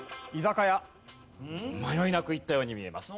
迷いなくいったように見えます。